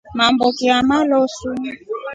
Mamboki aamaloosu.